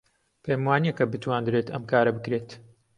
پێم وانییە کە بتوانرێت ئەم کارە بکرێت.